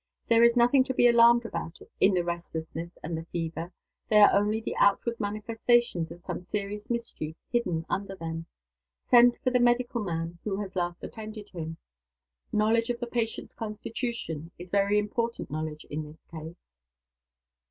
There is nothing to b e alarmed about in the restlessness and the fever. They are only the outward manifestations of some serious mischief hidden under them. Send for the medical man who has last attended him. Knowledge of the patient's constitution is very important knowledge in this case."